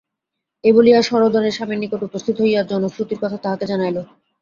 এই বলিয়া সরোদনে স্বামীর নিকট উপস্থিত হইয়া জনশ্রুতির কথা তাহাকে জানাইল।